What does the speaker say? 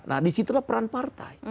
nah disitulah peran partai